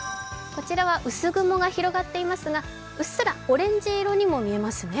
こちらは薄雲が広がっていますが、うっすらオレンジ色にも見えますね。